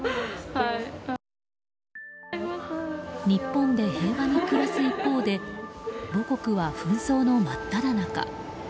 日本で平和に暮らす一方で母国は紛争の真っただ中。